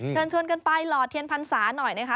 เชิญชวนกันไปหล่อเทียนพรรษาหน่อยนะคะ